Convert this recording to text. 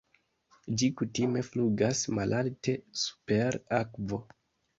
Ĝi kutime flugas malalte super akvo.